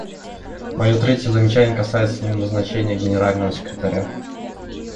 Мое третье замечание касается назначения Генерального секретаря.